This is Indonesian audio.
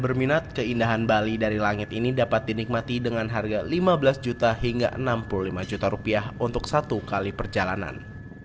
berminat keindahan bali dari langit ini dapat dinikmati dengan harga lima belas juta hingga enam puluh lima juta rupiah untuk satu kali perjalanan